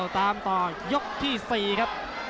ตามต่อยกที่๔ครับ